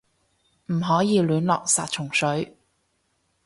唔可以亂落殺蟲水